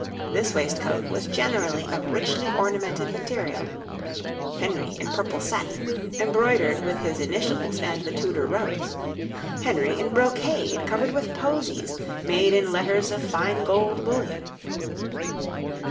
This waistcoat was generally of richly ornamented material (Henry in purple satin, embroidered with his initials and the Tudor rose; Henry in brocade covered with posies made in letters of fine gold bullion).